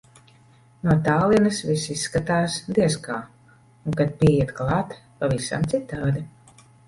No tālienes viss izskatās, diez kā, un kad pieiet klāt - pavisam citādi.